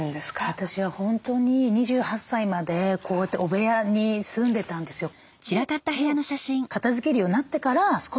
私は本当に２８歳までこうやって汚部屋に住んでたんですよ。